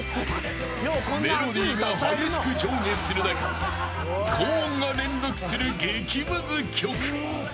メロディーが激しく上下する中高音が連続する激むず曲。